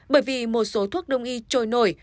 bởi vì một số thuốc đông y trôi nổi